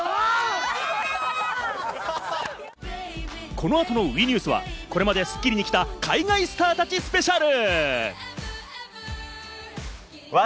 この後のＷＥニュースは、これまで『スッキリ』に来た海外スターたちスペシャル！